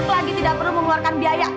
lagi tidak perlu mengeluarkan biaya